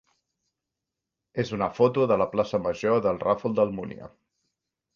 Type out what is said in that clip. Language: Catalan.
és una foto de la plaça major del Ràfol d'Almúnia.